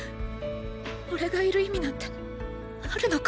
おれがいる意味なんてあるのか？